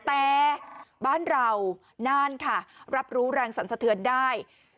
แต่บ้านเราน่านค่ะรับรู้แรงสรรสะเทือนได้